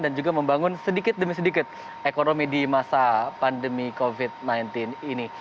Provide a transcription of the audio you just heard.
juga membangun sedikit demi sedikit ekonomi di masa pandemi covid sembilan belas ini